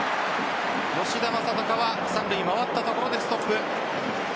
吉田正尚は三塁回ったところでストップ。